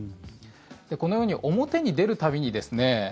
このように表に出る度にですね